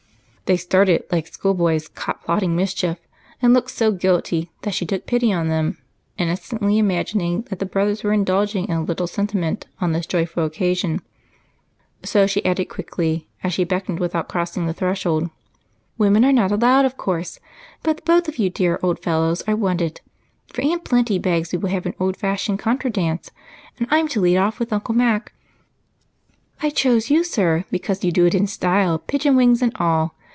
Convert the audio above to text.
They stared like schoolboys caught plotting mischief and looked so guilty that she took pity on them, innocently imagining the brothers were indulging in a little sentiment on this joyful occasion, so she added quickly, as she beckoned, without crossing the threshold, "Women not allowed, of course, but both of you dear Odd Fellows are wanted, for Aunt Plenty begs we will have an old fashioned contra dance, and I'm to lead off with Uncle Mac. I chose you, sir, because you do it in style, pigeon wings and all.